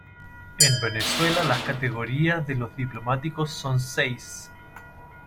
En Venezuela las categorías de los diplomáticos son seis.